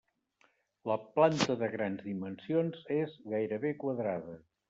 La planta de grans dimensions, és gairebé quadrada.